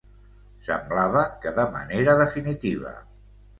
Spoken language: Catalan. Semblava que de manera definitiva.